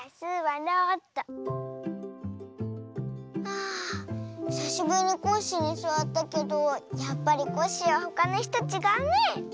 あひさしぶりにコッシーにすわったけどやっぱりコッシーはほかのいすとちがうね。